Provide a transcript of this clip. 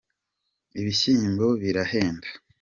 Ibyishimo birahenda.